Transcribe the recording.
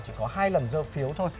chỉ có hai lần dơ phiếu thôi